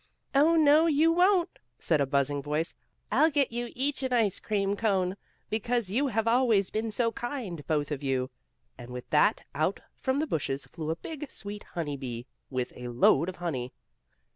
"Oh, no you won't," said a buzzing voice. "I'll get you each an ice cream cone, because you have always been so kind both of you." And with that out from the bushes flew a big, sweet, honey bee, with a load of honey.